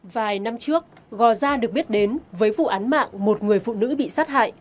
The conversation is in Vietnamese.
vài năm trước gò gia được biết đến với vụ án mạng một người phụ nữ bị sát hại